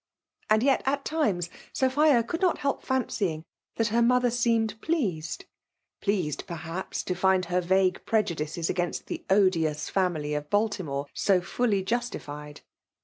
And yet, at times, Sophia ccmld not help boeymg that her mother seemed pleased; pleased, perhaps, to find her Tague prejudkes against the odious fieunily of Baltimore so fidly justiied.